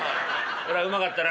「こらうまかったな」。